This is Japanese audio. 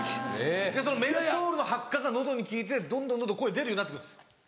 そのメンソールのハッカが喉に効いてどんどんどんどん声出るようになって来るんです。